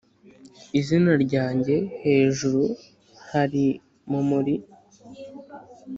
izina ryanjye hejuru hari mumuri?